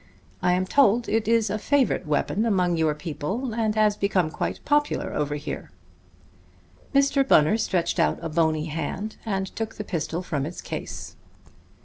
I am told it is a favorite weapon among your people, and has become quite popular over here." Mr. Bunner stretched out a bony hand and took the pistol from its case.